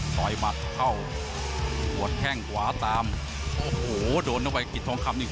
ยหมัดเข้าหัวแข้งขวาตามโอ้โหโดนเข้าไปกิจทองคำนี่